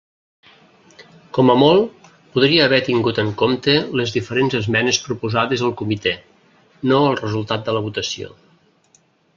Com a molt podia haver tingut en compte les diferents esmenes proposades al comitè, no el resultat de la votació.